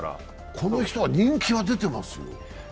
この人は人気が出てますよ。